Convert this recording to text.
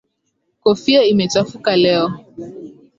Kofia imechafuka leo.